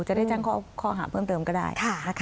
จะได้แจ้งข้อหาเพิ่มเติมก็ได้